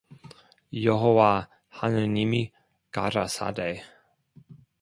여호와 하나님이 가라사대